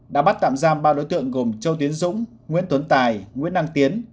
đã bắt tạm giam ba đối tượng gồm châu tiến dũng nguyễn tuấn tài nguyễn đăng tiến